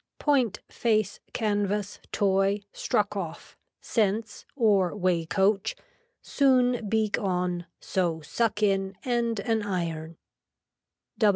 Point, face, canvas, toy, struck off, sense or, weigh coach, soon beak on, so suck in, and an iron.